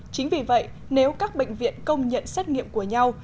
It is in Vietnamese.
chính vì vậy nếu các bệnh viện công nhận xét nghiệm của nhau